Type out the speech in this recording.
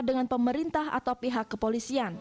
dengan pemerintah atau pihak kepolisian